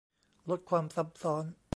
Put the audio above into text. ลดความซ้ำซ้อน